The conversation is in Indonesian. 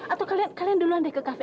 atau kalian duluan deh ke cafe